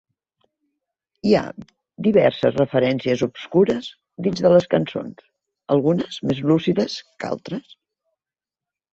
Hi ha diverses referències obscures dins de les cançons, algunes més lúcides que altres.